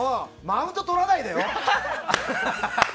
マウントとらないでよ？